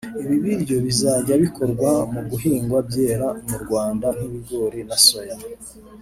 Ibi biryo bizajya bikorwa mu bihingwa byera mu Rwanda nk’ibigori na soya